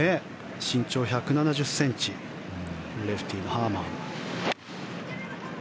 身長１７０ｃｍレフティーのハーマン。